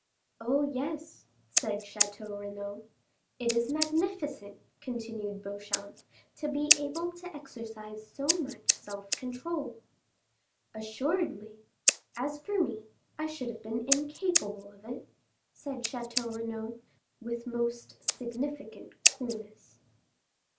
"Oh, yes," said Château Renaud. "It is magnificent," continued Beauchamp, "to be able to exercise so much self control!" "Assuredly; as for me, I should have been incapable of it," said Château Renaud, with most significant coolness.